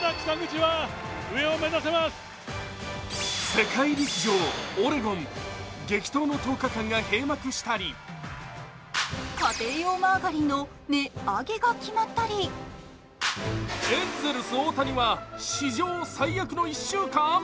世界陸上オレゴン、激闘の１０日間が閉幕したり家庭用マーガリンの値上げが決まったりエンゼルス大谷は史上最悪の１週間？